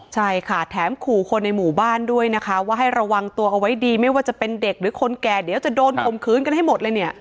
ใช่ค่ะแถมขู่คนในหมู่บ้านด้วยนะคะว่าให้ระวังตัวเอาไว้ดีไม่ว่าจะเป็นเด็กหรือคนแก่เดี๋ยวจะโดนข่มขืนกันให้หมดเลยเนี่ย